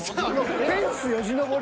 フェンスよじ登り？